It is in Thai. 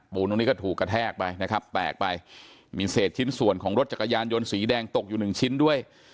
ตรงนี้ก็ถูกกระแทกไปนะครับแตกไปมีเศษชิ้นส่วนของรถจักรยานยนต์สีแดงตกอยู่หนึ่งชิ้นด้วย